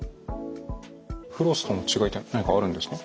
フロスとの違いっていうのは何かあるんですか？